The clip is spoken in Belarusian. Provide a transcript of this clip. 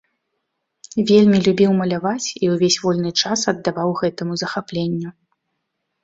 Вельмі любіў маляваць і ўвесь вольны час аддаваў гэтаму захапленню.